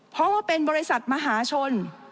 เพราะว่าเป็นบริษัทมหาชน